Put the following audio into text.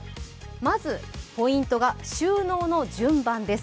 まずポイントが収納の順番です。